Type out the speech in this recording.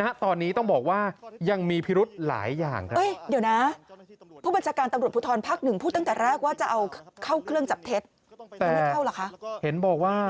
ณตอนนี้ต้องบอกว่ายังมีพิรุธหลายอย่างครับ